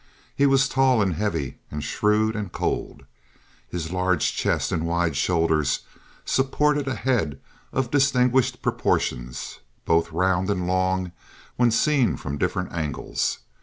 He was tall and heavy and shrewd and cold. His large chest and wide shoulders supported a head of distinguished proportions, both round and long when seen from different angles.